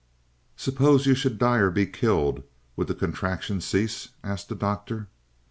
"Suppose you should die, or be killed, would the contraction cease?" asked the Doctor.